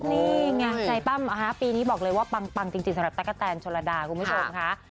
นี่ไงใจปั้มปีนี้บอกเลยว่าปังจริงสำหรับตั๊กกะแตนชนระดาคุณผู้ชมค่ะ